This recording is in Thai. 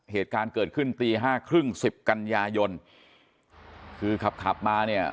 เหตุการณ์เกิดขึ้นตีห้าครึ่งสิบกันยายนคือขับขับมาเนี่ย